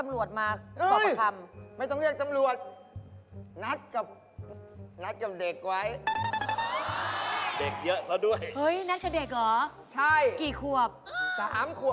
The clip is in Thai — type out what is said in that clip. บ๊วยบ๊วยเป็นอะไรบ๊วยบ๊วยเป็นอะไรบ๊วยบ๊วย